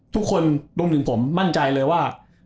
รวมถึงผมมั่นใจเลยว่า